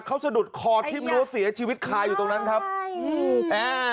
เขาสะดุดคอที่มันรู้เสียชีวิตคายอยู่ตรงนั้นครับอืม